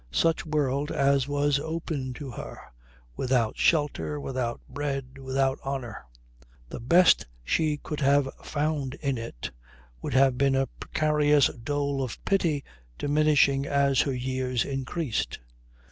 Such world as was open to her without shelter, without bread, without honour. The best she could have found in it would have been a precarious dole of pity diminishing as her years increased.